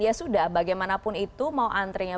ya sudah bagaimanapun itu mau antrinya